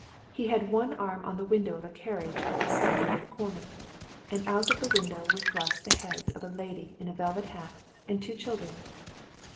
He had one arm on the window of a carriage that was stopping at the corner, and out of the window were thrust the heads of a lady in a velvet hat, and two children.